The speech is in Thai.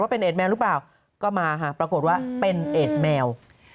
เป็นเอดแมวหรือเปล่าก็มาค่ะปรากฏว่าเป็นเอสแมว